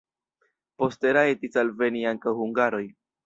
Poste rajtis alveni ankaŭ hungaroj.